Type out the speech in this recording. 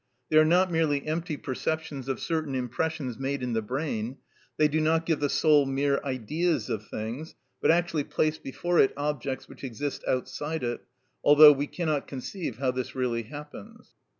They are not merely empty perceptions of certain impressions made in the brain. They do not give the soul mere ideas of things, but actually place before it objects which exist outside it, although we cannot conceive how this really happens."